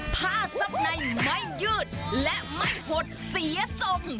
ผ้าซับในไม่ยืดและไม่หดเสียทรง